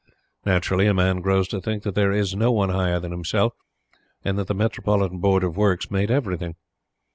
Naturally, a man grows to think that there is no one higher than himself, and that the Metropolitan Board of Works made everything.